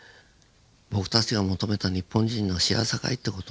僕たちが求めた日本人の幸せかい？」って事をね